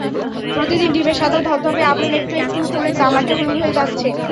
প্রতিদিন ডিমের সাদা ধবধবে আবরণ একটু একটু করে তামাটে হলুদ হয়ে যাচ্ছে।